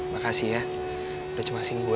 makasih ya udah cemasin gue